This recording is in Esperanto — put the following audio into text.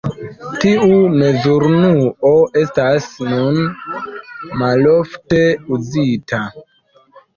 Tiu mezurunuo estas nun malofte uzita.